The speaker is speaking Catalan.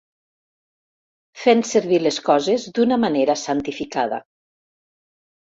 Fent servir les coses d'una manera santificada.